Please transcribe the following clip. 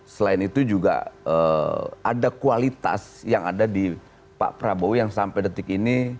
selain itu juga ada kualitas yang ada di pak prabowo yang sampai detik ini